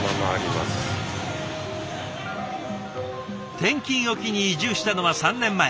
転勤を機に移住したのは３年前。